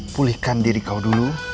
pulihkan diri kau dulu